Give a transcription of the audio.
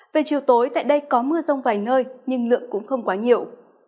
về chiều tối tại đây có mưa rông vài nơi nhưng lượng cũng không quá nhiều